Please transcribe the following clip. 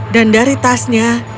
dan dari tasnya